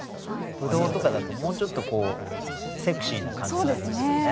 ぶどうとかだともうちょっとセクシーな感じになりますよね。